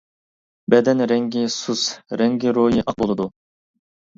بەدەن رەڭگى سۇس، رەڭگىرويى ئاق بولىدۇ.